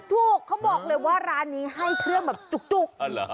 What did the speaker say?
ถูกเขาบอกเลยว่าร้านนี้ให้เครื่องแบบจุก